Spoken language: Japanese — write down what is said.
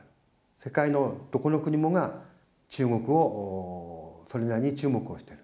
世界のどこの国もが中国をそれなりに注目をしている。